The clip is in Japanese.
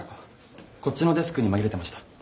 こっちのデスクに紛れてました。